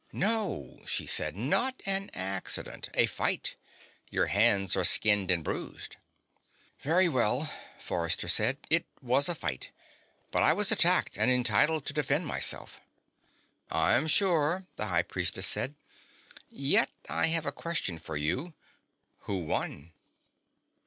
"No," she said. "Not an accident. A fight. Your hands are skinned and bruised." "Very well," Forrester said. "It was a fight. But I was attacked, and entitled to defend myself." "I'm sure," the High Priestess said. "Yet I have a question for you. Who won?"